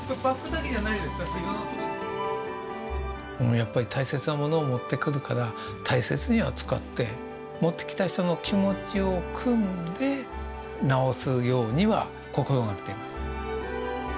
やっぱり大切なものを持ってくるから大切に扱って持ってきた人の気持ちをくんで直すようには心がけています。